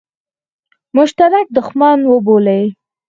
مشترک دښمن وبولي.